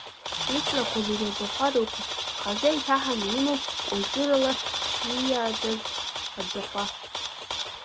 Иҵлақәа зегь аӡахәа рықәуп, хазы еиҭаҳаны имоуп культурала ииаӡаз аӡахәа.